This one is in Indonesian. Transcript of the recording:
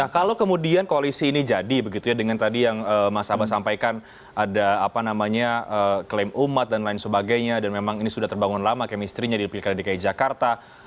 kalau kemudian koalisi ini jadi begitu ya dengan tadi yang mas abah sampaikan ada apa namanya klaim umat dan lain sebagainya dan memang ini sudah terbangun lama kemistrinya di pilkada dki jakarta